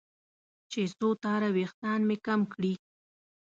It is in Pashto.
چې څو تاره وېښتان مې کم کړي.